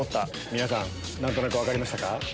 皆さん何となく分かりましたか？